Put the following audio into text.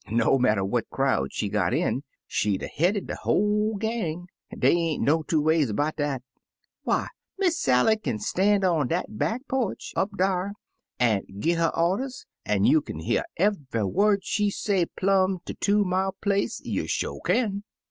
No matter what crowd she got in, she 'd 'a' headed de whole gang — dey ain't no two ways 'bout dat. Why, Miss Sally kin stan' on dat back porch up dar, an' gi' her orders, an' you kin hear cve'y word she say plum' tcr dc two mile place — you sho' kin."